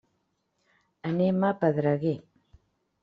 Anem a Pedreguer.